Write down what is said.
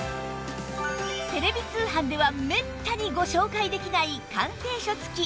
テレビ通販ではめったにご紹介できない鑑定書付き